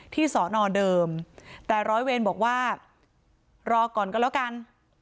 สอนอเดิมแต่ร้อยเวรบอกว่ารอก่อนก็แล้วกัน